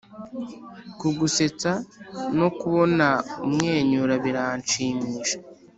kugusetsa no kubona umwenyura biranshimisha